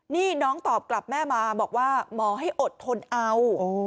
นี่น้องตอบกลับแม่มาบอกว่าหมอให้อดทนเอา